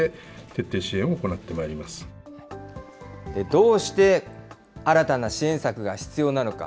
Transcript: どうして新たな支援策が必要なのか。